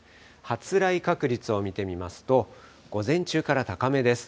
発雷確率を見てみますと、午前中から高めです。